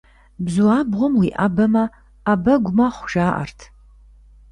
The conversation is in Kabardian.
Бзу абгъуэм уиӏэбэмэ, ӏэ бэгу мэхъу, жаӏэрт.